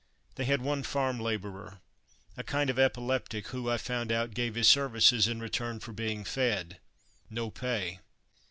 They had one farm labourer, a kind of epileptic who, I found out, gave his services in return for being fed no pay.